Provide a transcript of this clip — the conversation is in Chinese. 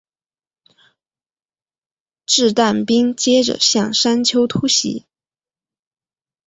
掷弹兵接着向山丘突袭。